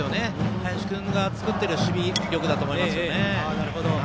林君が作ってる守備力だと思いますね。